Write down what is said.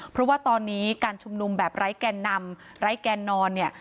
เพราะว่าตอนนี้การชุมนุมแบบไร้แกนนำไร้แกนนอนเนี่ย